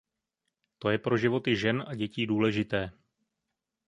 To je pro životy žen a dětí důležité.